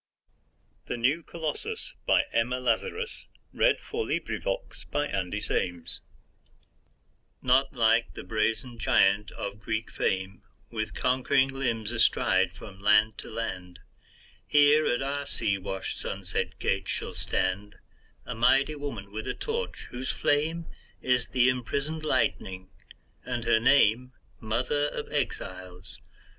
ed. The Book of New York Verse. 1917. The New Colossus Emma Lazarus NOT like the brazen giant of Greek fame, With conquering limbs astride from land to land; Here at our sea washed, sunset gates shall standA mighty woman with a torch, whose flameIs the imprisoned lightning, and her nameMother of Exiles.